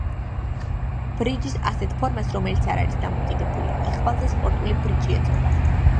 ბრიჯის ასეთ ფორმას, რომელიც არ არის დამოკიდებული იღბალზე სპორტული ბრიჯი ეწოდება.